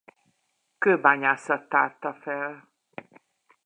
Kőbányászat tárta fel.